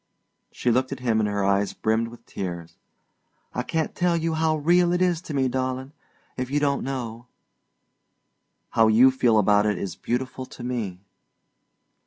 '" She looked at him and her eyes brimmed with tears. "I can't tell you how real it is to me, darling if you don't know." "How you feel about it is beautiful to me."